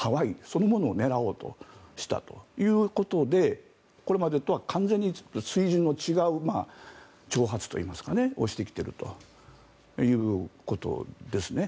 そのものを狙おうとしたということでこれまでとは完全に水準の違う挑発といいますかそれをしてきているということですね。